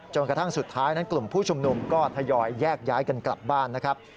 กระทั่งสุดท้ายนั้นกลุ่มผู้ชุมนุมก็ทยอยแยกย้ายกันกลับบ้านนะครับ